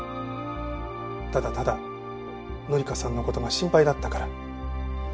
ただただ紀香さんの事が心配だったから。